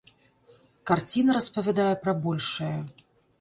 Карціна распавядае пра большае.